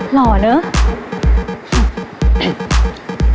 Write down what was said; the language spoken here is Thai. หล่อเนอะ